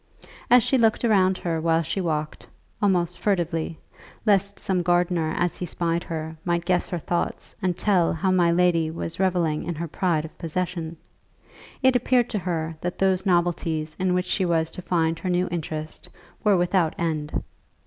As she looked around her while she walked, almost furtively, lest some gardener as he spied her might guess her thoughts and tell how my lady was revelling in her pride of possession, it appeared to her that those novelties in which she was to find her new interest were without end.